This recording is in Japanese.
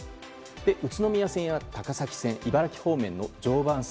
宇都宮線や高崎線茨城方面の常磐線。